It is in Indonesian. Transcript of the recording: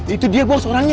itu dia bos orangnya